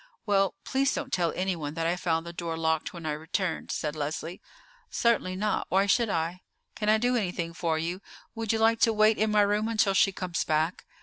"Well, please don't tell anyone that I found the door locked when I returned," said Leslie. "Certainly not. Why should I? Can I do anything for you? Would you like to wait in my room until she comes back?"